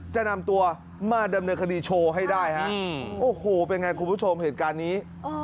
จะนำตัวมาดำเนินคดีโชว์ให้ได้ฮะโอ้โหเป็นไงคุณผู้ชมเหตุการณ์นี้